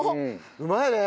うまいね。